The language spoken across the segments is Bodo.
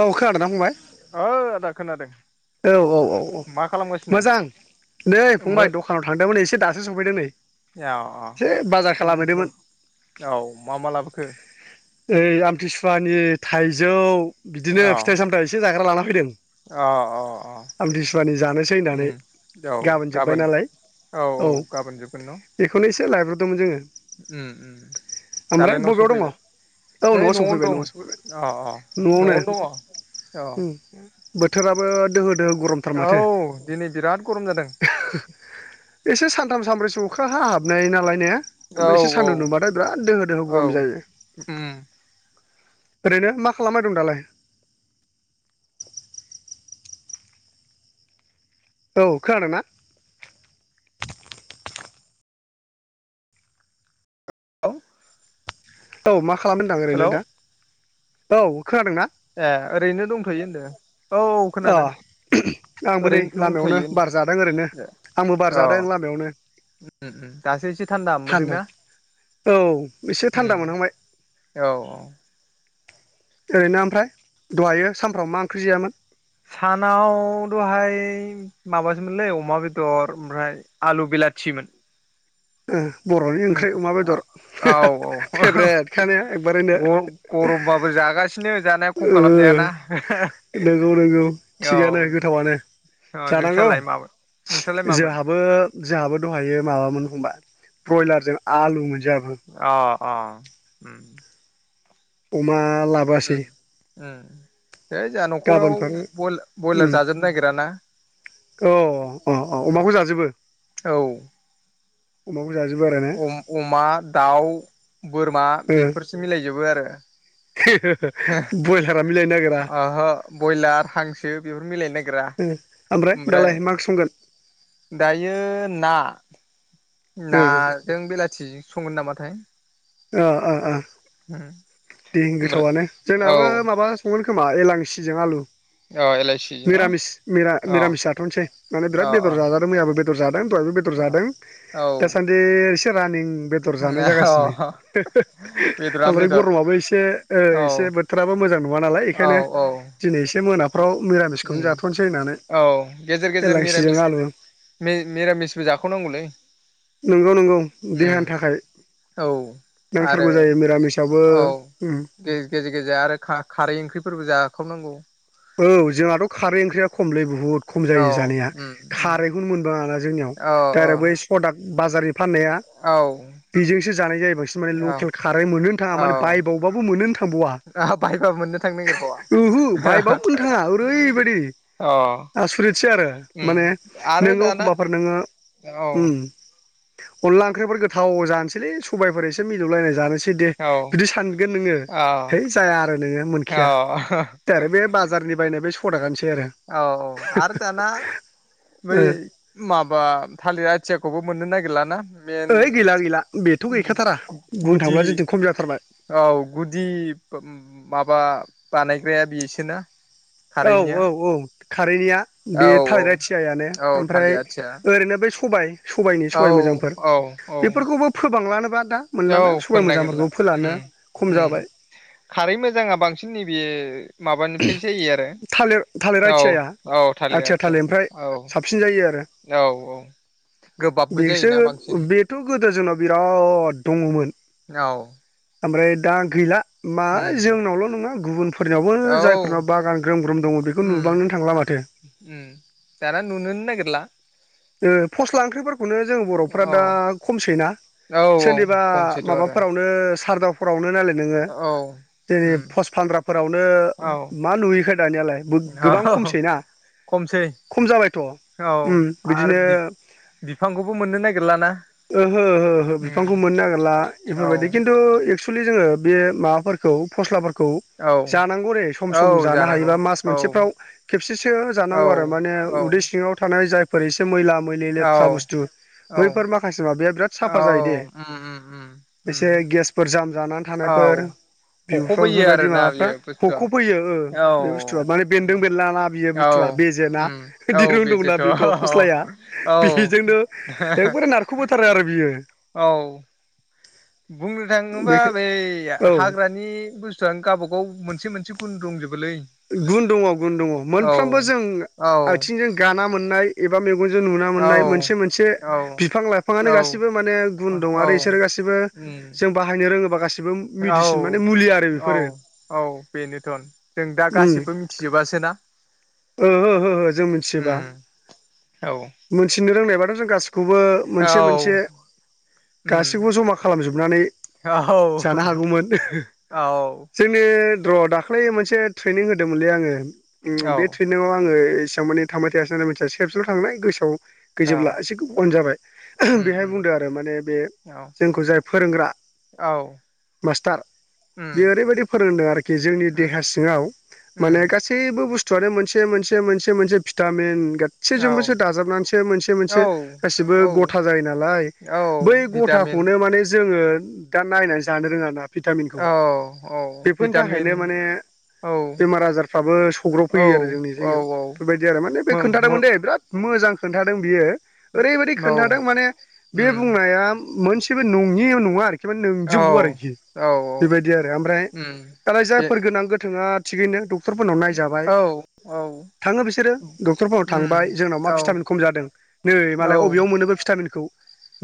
औखा फंबाय ओ आदा खोनादों औ औ औ औ मा खालामगासिनो मोजां। नै फंबाय द'खानाव थांदोंमोन एसे दासो सफैदों नै। ए अ एसे बाजार अ ओ ओ खालामहैदोंमोन औ मा मा लाबोखो? ओइ आमथिसुवानि थाइजौ बिदिनो औ फिथाइ-सामथाइ एसे जाग्रा लाना फैदों। अ अ अ आमतिसुवानि जानोसै होननानै उम औ गाबोन जोब्बाय नालाय।। औ औ गाबोन जोबगोन न'? बेखौनो एसे लाायब्रदोंमोन जोङो। उम उम ओमफ्राय दालाय न' बबेयाव दङ? सफैबाय औ नै न'आव न'आवनो सफैबाय, दं न'आव सफैबाय। अ अ न'आवनो दङ औ ओम बोथोराबो दोहो दोहो गरमथार औ माथो। दिनै बिराद गरम जादों एसे सानथाम सानब्रैसो अखा हा हाबनाय नालाय, ने? ओमफ्राय एसे औ सान्दुं औ दुंबाथाय बिराद दोहो दोहो औ गरम जायो। उम ओरैनो मा खालामबाय दं दालाय? औ, खोनादोंना? औ। औ मा खालामदों होनदां ओरैनो हेलौ दा। औ खोनादोंना? ए ओरैनो दंथ'यो होनदों औ अ खोनादों। आंबो नै ओरैनो दंथ'यो लामायावनो होनदों बार जादों ओरैनो, ए आंबो अ बारजादों लामायावनो। उम होम दासो एसे थान्दा मोनबोदोंना? औ एसे थान्दा उम मोनहांबाय औ औ ओरैनो ओमफ्राय दहायो सानफ्राव मा ओंख्रि जयामोन? सानाव दहाय माबासोमोनलै अमा बेदर ओमफ्राय आलु बिला थिमोन। ओ बर'नि ओंख्रि अमा बेदर औ फेब्रेथ खाना ने एगबारैनो? औ गरमबाबो जागासिनो जानाया खम ओ खालामजायाना नोंगौ नोंगौ औ थिगानो गोथावानो अ जानांगौ नोंस्रालाय मामोन नोंस्रालाय मामोन जोंहाबो जोंहाबो दंहायो माबामोन खोमा ब्रइलार जों आलु मोन। अ अ उम अमा लाबोआसै? उम उम है जोंहा न'खराव गाबोनफोर उम बइ-बइलार जाजोबनो नागिर ना अ अ अ अमाखौ जाजोबो? अमाखौ जाजोबो आरो ने अ-अमा, दाउ, बोरमा ओ बेफोरसो मिलायजोबो आरो। हे बयलारा मिलायनो नागिरा ओहो बइलार हांसो बेफोर मिलायनो नागि रा ओ दालाय ओमफ्राय मा ओंख्रि संगोन दायो ना। ओ नाजों बेलाथि संगोन नामाथाय। ओ ओ ओ दे ओमफ्राय गोथावनो जोंनाबो औ माबा संगोन खोमा एलांसिजों आलु औ एलइसि न मिरामिस अ मिरा-मिरामिस जाथ'नोसै माने बिराद औ बेदर औ जाजादों मैयाबो बेदर जादों दहायबो बेदर जादों। औ औ दासान्दि एसे रानिं बेदर जानाय जागासिनो अ बेदरा ओमफ्राय बेदर गरमाबो ए से औ एसे ओ बोथोराबो मोजां न ङा नालाय औ बेखायनो औ औ दिनै एसे मोनाफ्राव‌ मिरामिसखौनो जाथ'नोसै होननानै एलांसि जों आलु मि-मिरामिसबो जाखाव नांगौलै। नोंगौ नोंगौ देहानि थाखाय औ नांथारगौ जायो मिरामिसावबो उम गे-गेजेर गेजेर आरो खा-खारै ओंख्रिफोरबो जाखावनांगौ औ जोंहाथ' खारै ओंख्रिया खमलै बुहुद खम जायो जानाया औ खारैखौनो मोनबाङाना जोंनियाव औ औ दा आरो बै सदा बाजारनि फाननाया औ बेजोंसो जानाय जायो। बांसिन माने औ लकेल खारै मोननोनो थाङा माने बायबावबाबो मोननोनो थाङा। आहा बायबा मोननो थांनो नागिरबावा। नथाङा ओरैबायदि अ आसरितसै आरो। उम माने आरो नोङो दाना एखमबाफोर नोङो औ अनला ओंख्रिफोर गोथाव जानोसैलै सबायफोर एसे मिलौलायनाय जानोसै दे औ बिदि सानगोन नोङो है जाया आरो नोङो मोनखया औ द आरो बे बाजारनि बायनाय बे सदा औ औ आरो दाना बै ओ माबा थालिर आथियाखौबो मोननो नागिरला। ओइ गैला गैला बेथ' गैखाथारा बुंनो गुदि थांब्ला जोंथ खम जाथारा। औ गुदि माबा बानायग्राया बेसोना। औ खारैनिया औ औ। थारैनिया औ बे औ थालिरा थियानो औ ओमफ्राय थालिर आथिया ओरैनो बे सबाय। सबायनि औ सबाइ मोजांफोर औ औ बेफोरखौबो फोबांलानोबा। दा मोनलाना औ सबबाय फोनो नागिरला मोजांफोरखौ फोलानो उम खम उम जाबाय खारै मोजाङा बांसिन नैबे माबानिफ्राय जायो आरो थालिर थालिर आथियाया औ औ आथिया थालिर ओमफ्राय औ साबसिन जायो आरो औ औ गोबाबबो बेसो जायोना बांसिन बेथ' गोदो जोंनाव बिराद दङमोन औ ओमफ्राय दा गैला मा उम जोंनावल' नङा गुबुनफोरनियावबो औ जायफोरनाव बागान ग्रोम ग्रोम दङ बेखौ उम नुबांनो थांला माथो उम दाना नुुनो‌ नो नागिरला फस्ला ओंख्रिफोरखौनो जों बर'फ्रा दा औ खमसैना औ औ सोरनिबा खमसैथ' आरो माबाफोरावनो सारदावफोरावनो नालाय नोङो औ जेरै उम पस फानग्राफोरावनो औ मा नुयैखाय दानिलाय गोबां खमसैना खमसै खम जाबायथ' औ आरो बिदिनो बिफांखौबो मोननो नागिरलाना ओहो ओहो ओहो उम बिफांखौ मोननो नागिरला औ बेफोरबायदि खिन्थु एक्सुेलि जोङो बे माबाफोरखौ फस्लाफोरखौ औ जानांगौ रे सम औ सम जानो जानांगौ हायोबा मास औ मोनसेफ्राव खेबसेसो औ जानांगौ आरो माने उदै सिंआव थानाय जायफोर एसे मैला मै औ लेथ्रा बुस्थु औ बैफोर माखासे माबाया बिराद साफा औ जायो दे उम उम उम एसे उम गेसफोर जाम जानानै थानायफोर औ बिबुफाव हख'बोयो बेफोरबायदि आरोना माबाफ्रा बियो बुस्थुआ हखबफैयो औ बे बुस्थुआ माने बेन्दों उम बेनला ना बियो औ बुस्थुया बेजेना उम औ दिरुं दंना बेजोथ' बेथ' औ फस्लाया औ बेजोंनो एकबारे नारख'बोथारो आरो बियो बुंनो थाङोबा बेखो बै औ हाग्रानि बुस्थुआनो गावबागाव मोनसे मोनसे गुन दंजोबो गुन दङ गुन दङ मोनफ्रोमबो जों औ आथिंजों गाना मोननाय एबा मेगनजों नुना औ मोननाय मोनसे मोनसे औ बिफां औ लाइफाङानो गासिबो माने गुन दं औ आरो बिसोरो गासिबो उम जों बाहायनो रोङोबा गासिबो मेडिसिन औ माने मुलि आरो बेफोरो औ औ बेनोथन जों दा गासिबो मिथिजोबासो ना ओह जों मिथिबा औ मिथिनो रोंनायबाथ' जों गासैबो बे खौबो मोनसे मोनसे औ उम गासैखौबो जमा खालामजोबनानै औ जानो हागौमोन औ जोंनि र दाख्लै मोनसे ट्रेनिं होदोंमोनलै आङो बे औ ट्रेइनिंआव आङो एसेबांमानि थांबाय थायासै नालाय मिथियासै खेबसेल थांनाय गोसोआव गैजोबला औ एसे अन जाबाय उम बेहाय उम बुंदों आरो माने बे औ जोंखौ जाय फोरोंग्रा औ मास्टार बेयो उम ओरैबायदि फोरोंदों आरोखि जोंनि उम देहा सिङाव माने उम गासैबो बुस्थुआनो मोनसे मोनसे मोनसे मोनसे भिटामिन गासैजोंबोसो औ दाजाबनानैसो मोनसे मोनसे औ गासिबो औ गथा जायो नालाय। औ बै भिटामिन गथाखौनो माने जोङो दा नायनानै जानो रोङा ना औ भिटामिनखौ बेफोरनि भिटामिन थाखायनो माने औ बेमार आजारफ्राबो सौग्राव औ फैयो आरो जोंनि औ जायगायाव औ बेफोर बायदि आरो माने बे मो मो खोन्थादोंमोन दे बिराद मोजां खोन्थादों बियो ओरैबायदि औ खोन्थादों माने बे उम बुंनाया मोनसेबो नङियाव नङा आरोखि औ नोंजोबगौ आरोखि औ औ बेबायदि आरो ओमफ्राय उम दालाय बे जायफोर गोनां गोथोंआ थिगैनो डाक्टरफोरनाव नायजाबाय औ थाङो बिसोरो औ डाक्टरफोरनाव उम थांबाय जोंनाव मा औ भिटामिन खम जादों नै औ मालाय बबेयाव मोनोबो भिटामिनखौ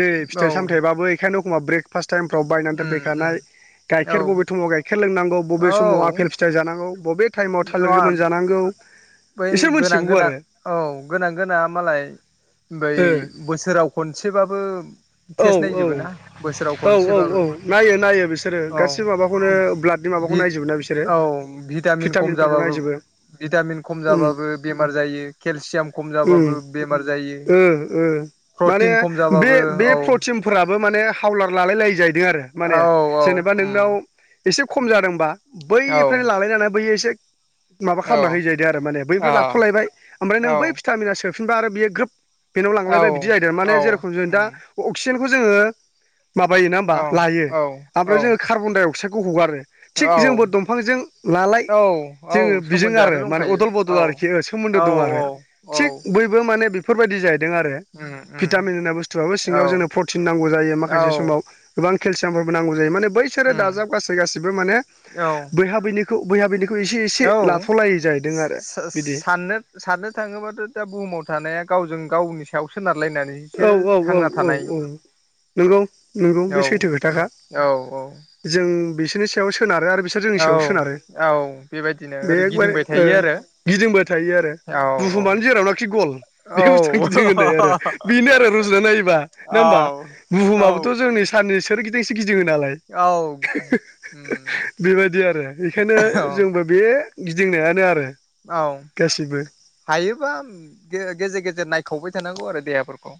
नै फिथाय औ सामथायबबो बेखायनोखनब ब्रेफास्ट टाइमफ्राव बायनानै उम उम दोनफैखानाय औ गाइखेर बबे समाव गाइखेर लोंनांगौ बबे समाव औ आपेल फिथाइ जानांगौ। बबे टाइमाव थालिर नङा गोमोन जानांगौ। बै बिसोर गोनां मिथिजोबगौ गोनां आरो औ गोनां गोना मालाय ओमफ्राय बोसोराव खनसेबाबो ओ औ टेस्ट औ नायजोबोना बोसोराव औ औ खनसेबाबो। नायो नायो बिसोरो औ गासिबो माबाखौनो ब्लाडनि माबाखौ बि नायजोबोना बिसोरो औ भिटामिन खम भिटामिनफोरखौ जाबाबो नायजोबो भिटामिन खम उम जाबाबो बेमार जायो केलसियाम खम उम जाबाबो बेमार जायो। ओ माने प्रटिन खम बे जाबाबो बे औ प्रटिनफोराबो माने हावलार लालाय लायो जाहैदों आरो। माने औ औ जेनेबा उम नोंनाव एसे खम जादोंबा औ बैनिफ्रायनो लालायनानै बै एसे माबा औ खालामना होजायो आरो माने बैनिफ्राय अ लाथ'लायबाय ओमफ्राय नों औ बै भिटामिना सो हाबफिना आरो बेयो ग्रोब पेनाव लांलायबाय बिदि औ जाहैदों माने औ जेरखम जों दा उम अक्सिजेनखौ जोङो माबायोना होमबा औ लायो औ ओमफ्राय जोङो कार्बन डाइ अक्साइडखौ हगारो। थिग जोंबो औ दंफांजों लालाय औ औ जोङो बिजों सोमोन्दोआथ' आरो माने दंखायो अदल बदल औ आरोखि सोमोन्दो औ दं आरो औ औ थिग बयबो माने बेफोर बायदि जायो। दों आरो उम उम भिटामिन होननाय बस्थुआबो औ सिंआव जोंनो प्रतिन नांगौ जायो औ गोबां केलसियाम बैसोरो उम दाजाब गासै मानि औ बैहा बैयनिखौ बैहा सिनि एसे एसे लाथ'लायो। सो-साननो साननो थाङोबाथ' दा बुहुमाव थानाया गावजों गाव औ औ औ औ थानाय औ नंगौ नंगौ औ बे सैथो खोथाखा औ औ जों बि सोनारो आरो बिसोर जोंनि औ सायाव सोनारो औ बेबायदिनो ओरै गिदिंबाय थायो बेबायदिनो आरो गिदिंबो थायो आरो। औ बुहुमानो जेरावनाखि गल बे औ बुस्थुआनो गिदों होननाय आरो बे नो आरो रुजुना नायोबा नङा औ होनबा औ बुहुमाबोथ' औ जोंनि साननि सोरगिदिं गिदिङो नालाय औ उम बेबायदि आरो बेखायनो औ जोंबो बे गिदिंनायानो आरो। औ गासिबो हायोबा गेजेर गेजेर नायखावबाय थांगौ आरो देहाफोरखौ।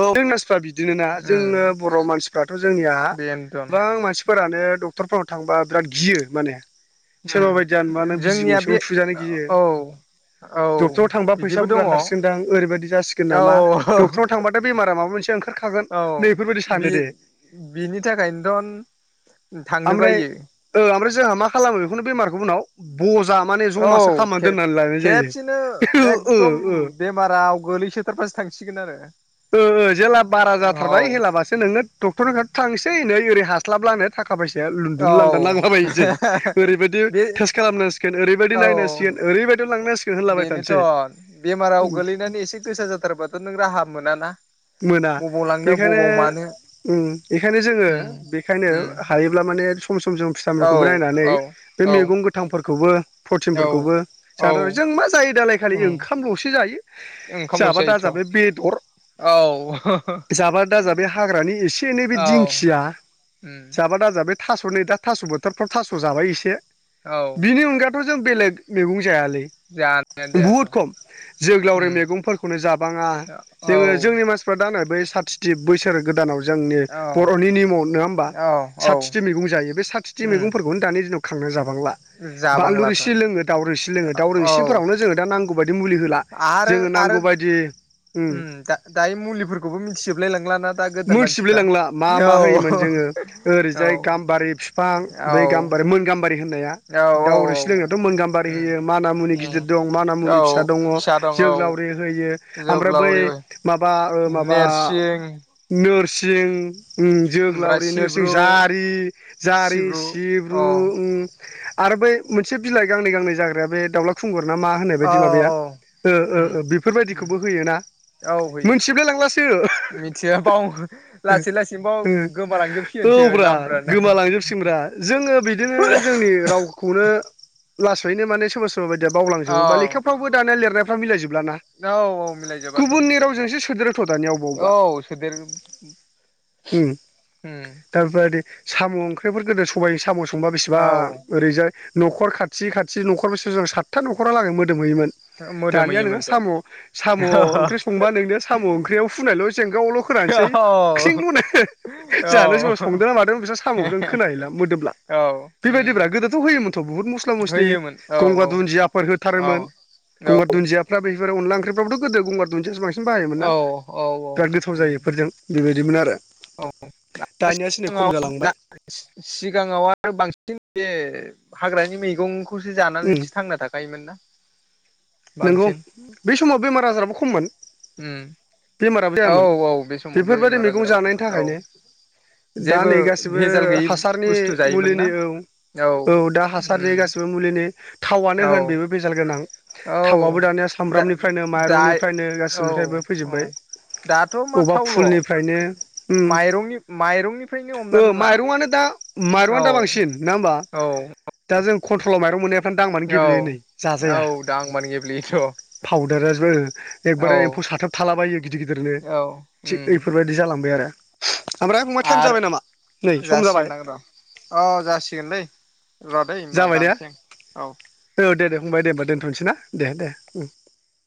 [unintelligible] बिदिनोना जोङो बर' मानसिफ्राथ' जोंनिया बेनोथन गोबां मानसिफोरानो डक्टरफोराव थांबा बिराद गियो माने। सोरबा उम बायदिया नुआ नों बिजि जोंनिया बे गंसेखौनो थुजानो गियो। औ औ डक्टराव थांबा फैसा बिदिबो दङ बुरजा औ खारसिगोनदां ओरैबायदि जासिगोन नामा डक्टराव थांबा थांबाथाय बेमारा माबामोनसेआ ओंखारखागोन औ नैबेफोर बायदि बे सानो दे। बिनि थाखायनोथ' थांनो बायो। आमफ्राय जोंहा मा खालामो बिखौनो बे बेमारखौ उनाव बजा जमासो औ खालामना खेब दोनो। खेबसेनो एकदम बेमाराव गोल्लैसोथारबासो थांसिगोन आरो। ओ ओजेला बारा औ जाथारबाय हेलाबासो नोङो डाक्टरनि खाथियाव थांसै नो ओरै हास्लाबलांनो थाखा ‌ थाखा फैसाया औ लुन्दुं लांदान लांला बायोसै ओरैबायदि बे टेस्ट खालामनांगोन ओरैबायदि औ नायनांसिगोन ओरैबायदि लांनांसिगोन होनलाबाय बेनोथ' थानोसै बेमाराव गोल्लैनानै एसे गोसा जाथारबाथ' नों राहा मोनाना मोना बबाव लांनो बेखायनो बबाव मानो उम बेखायनो जोङो उम बेखायनो उम हायोब्ला माने सम सम जों औ भिटामिनखौबो नायनानै औ बे औ मैगं गोथांफोरखौबो औ प्रटिनफोरखौबो औ जादों जों मा जायो दालाय खालि उम ओंखामल'सो जायो जाबा ओंखामल'सै दा इथ' जाबाय बेदर औ जाबा दाजा बे हाग्रानि एसे एनै बे औ दिंखिया उम जाबा दाजाब बे थास'नि दा थास' बोथोरनि थास' जाबाय इसे औ बिनि अनगाथ'जों बेलेग मैगं जायालै जानायानो जायाथ' बुहुद खम जोगोलावरि उम मैगंफोरखौनो जाबाङा औ जोङो जोंनि औ मानसि जानाय बै साथिथि बोसोर गोदानाव जोंनि बर'नि निमाव नङा होमबा। औ औ साथिथि मैगं जायो बे साथिथि उम मैगंफोरखौनो दानि दिनाव खांना जाबांला बानलु जाबांलाथ' रोसि लोङो दाउरोसि लोङो दाउ औ रोसिफोरावनो जोङो दा नांगौ बा मुलि होला आरो जोङो आरो नांगौ बायदि ओ खौबो मिन्थिजोबलाय लांलाना। दा गोदान मानसिफ्रा मोनथिब्लायलांला मा मा होयोमोन औ जोङो औ ओरैजाय गाम्बारि बिफां दै गाम्बा मोन गाम्बा रि होननाया औ औ दावउरिसि लोंनायावथ' मोनगाम्बारि होयो माना मुनि गिदिर दं माना मुनि फिसा दङ। दं औ जोग्लावरि होयो ओमफ्राय बै जोब्लावरि माबा ओ माबा ओम नेरसिं नोरसिं ओम ओमफ्राय जोग्लावरि नोरसिं सिब्रु जारि जारि सिब्रु ओम आरो बै मोनसे बिलाइ गांनै गांनै जाग्राया बे दाउला खुंगुर, नामा होननाय बै औ बायदि माबाया औ ओ ओ ओ बेफोरबायदिखौबो होयोना। औ होयो मोनथिजोबलाय लायलांलासो। मिथिया बाव लासै लासैनो बाव ओ ओ गोमालांजोबसिगोनसो औव ब्रा नामफ्रानो गोमालांजोबसिनब्रा जोङो बिदिनो जोंनि रावखौनो लासैनो माने सोरबा सोरबा बायदिया औ बावलांजोबो बा लेखाफ्रावबो दानिया लिरनायफ्रा मिलायजो बलाना औ मिलायजोबाथ' गुबुननि रावजोंसो सोदेरोथ' दानिया अबेबा अबेबा। दा ओ। बेफोरबायदि साम' ओंख्रिफोर गोदो सबायाइजों साम' संबा औ बेसेबां ओरैजाय न'खर खाथि खाथि न'खर बसेरजों सातथा न'खरा लागै मोदोमहैमोन। दानिया नोंहा मोदोमहैयोमोनथ' साम' साम' ओंख्रि संबा नोंनिया साम' ओंख्रियाव हुनायल' जेंगायावल' फोरानोसै औ ख्रिंलनो जानो सोरबा संदोंना मादों बिसोर साम'खौ औ खोनाहैला मोदोबब्ला औ बेबायदिब्रा उम गोदोथ' हो योथ' बुहुत मस्ला मस्लि होयोमोन औ गंगार दुन्दियाफोर औ होथारोमोन औ गंगार दुन्दियाफ्रा बे बिबार अनला ओंख्रिफ्रावथ' गोदो गंगार दुनदियासो बांसिन बाहायोमोना औ औ औ बिराद गोथाव जायो। उम बेफोरजों बेबायदिमोन आरो। औ। दा दानियासो नै खम सिगाङाव दा जालांबाय सिगाङाव आरो बांसिन बे हाग्रानि मैगंखौसो जानानैसो थांना थाखायोमोन ना। नोंगौ बांसिन बे समाव बेमार आजाराबो खममोन। उम बेमाराबो औ जायामोन औ बे समाव बेफोरबायादि बेमार मैगं आजाराबो जानायनि खममोन औ थाखायनो। दा जेबो नै गासिबो भेजाल गैयि हासारनि बुस्थु जायोमोन ना मुलिनि औ। औ दा हासारनि गासिबो मुलिनि थावआनो होन औ बेबो बेजाल गोनां। थावाबो औ दानिया दा सामब्रामनिफ्रायनो दा माइरंनिफ्रायनो औ गासिनिफ्रायबो औ फैजोब्बाय। दाथ' मा बबेबा थावल' फुलनिफ्रायनो ओम माइरंनि माइरंनिफ्रायनो ओ हमनानै ला माइरंआनो दा औ माइरंआनो दा बांसिन ना होमबा औ दा जों कन्ट्रलाव माइरं मोननाय दांबानो औ गेब्लेयो नै जाजाया। औ दांबानो गेल्बेयोथ' फाउदार रासबो एकबारि एम्फौ साथाब थालाबायो गिदिर गिदिरनो औ थिग ओइफोरबायाददि जाला थांबाय आरो। ओमफ्राय फंबाय टाइम आर जाबाय नामा नै सम जाबाय जासिगोनदां र' अ जासिगोनलै। र'दै होनबा दानसै आं औ। बुंबाय दे होमबा दोनथ'नोसै ना? दे दे उम।